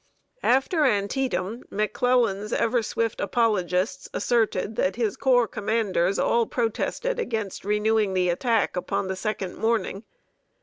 After Antietam, McClellan's ever swift apologists asserted that his corps commanders all protested against renewing the attack upon the second morning.